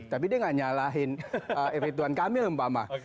tapi dia nggak nyalahin efektuan kamil mpama